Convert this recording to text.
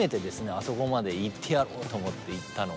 あそこまでいってやろうと思っていったのは。